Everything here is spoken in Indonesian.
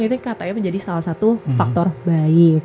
itu katanya menjadi salah satu faktor baik